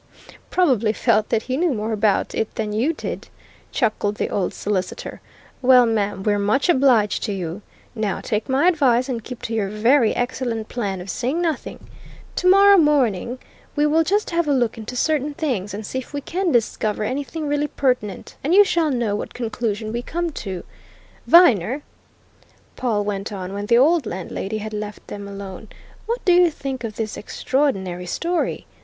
"Probably felt that he knew more about it than you did," chuckled the old solicitor. "Well, ma'am, we're much obliged to you. Now take my advice and keep to your very excellent plan of saying nothing. Tomorrow morning we will just have a look into certain things, and see if we can discover anything really pertinent, and you shall know what conclusion we come to. Viner!" Pawle went on, when the old landlady had left them alone, "what do you think of this extraordinary story?